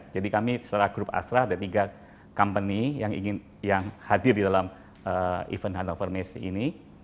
jadi kami setelah grup astra ada tiga company yang ingin yang hadir di dalam event handal permisi ini